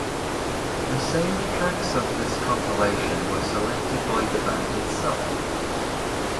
The soundtracks of this compilation were selected by the band itself.